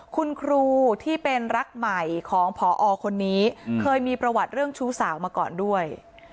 คุณครูที่เป็นรักใหม่ของพอคนนี้เคยมีประวัติเรื่องชู้สาวมาก่อนด้วย